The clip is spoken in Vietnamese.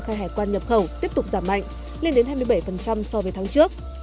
tổng cục hải quan nhập khẩu tiếp tục giảm mạnh lên đến hai mươi bảy so với tháng trước